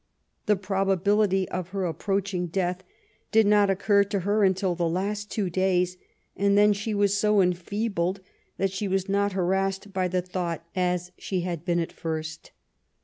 The probability of her approaching death did not occur to her until the last two days, and then she was so enfeebled that she was not harassed by the thought as she had been at first.